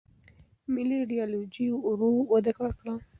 ملي ایدیالوژي ورو وده وکړه.